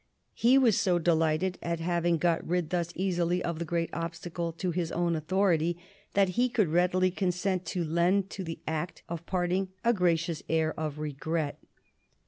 He was so delighted at having got rid thus easily of the great obstacle to his own authority that he could readily consent to lend to the act of parting a gracious air of regret.